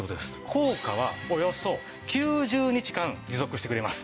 効果はおよそ９０日間持続してくれます。